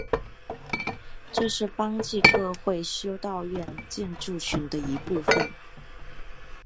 这是方济各会修道院建筑群的一部分。